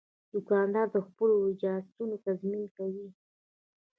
دوکاندار د خپلو اجناسو تضمین کوي.